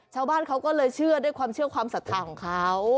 ชาวบ้านเขาก็เลยเชื่อด้วยความเชื่อความศรัทธาของเขา